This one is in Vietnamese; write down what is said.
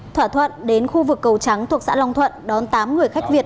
thỏa thuận đến khu vực cầu trắng thuộc xã long thuận đón tám người khách việt